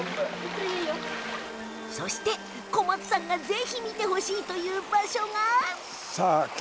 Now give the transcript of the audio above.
そして、小松さんがぜひ見てほしいという場所が。